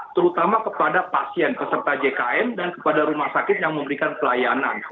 terutama kepada pasien peserta jkn dan kepada rumah sakit yang memberikan pelayanan